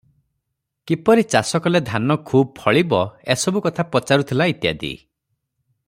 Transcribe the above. କିପରି ଚାଷକଲେ ଧାନ ଖୁବ୍ ଫଳିବ, ଏସବୁକଥା ପଚାରୁଥିଲା ଇତ୍ୟାଦି ।